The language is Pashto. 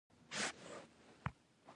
پلتۍ مې ورته ووهله، دومره خوندوره وه.